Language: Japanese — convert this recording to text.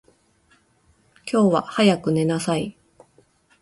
今日は早く寝なさい。